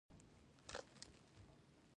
د موټر چلولو جواز لرل لازم دي.